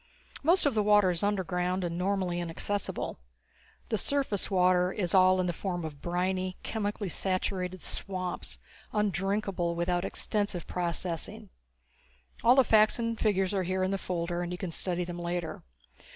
Most of the water is underground and normally inaccessible. The surface water is all in the form of briny, chemically saturated swamps undrinkable without extensive processing. All the facts and figures are here in the folder and you can study them later.